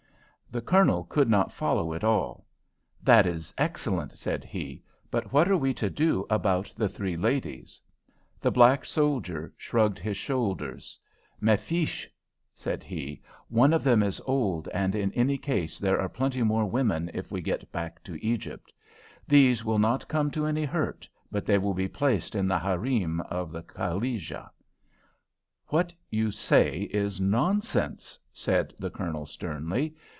The Colonel could not follow it all, "That is excellent," said he. "But what are we to do about the three ladies?" The black soldier shrugged his shoulders. "Mefeesh!" said he. "One of them is old, and in any case there are plenty more women if we get back to Egypt. These will not come to any hurt, but they will be placed in the harem of the Khalija." "What you say is nonsense," said the Colonel, sternly.